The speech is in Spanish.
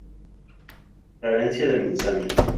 Fragancia de manzana.